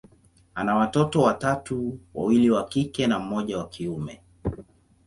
ana watoto watatu, wawili wa kike na mmoja wa kiume.